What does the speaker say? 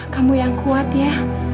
kamu yang kuat ya